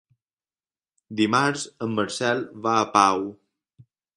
Dimarts en Marcel va a Pau.